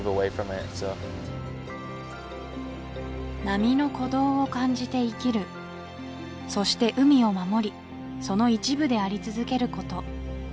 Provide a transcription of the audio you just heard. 波の鼓動を感じて生きるそして海を守りその一部であり続けること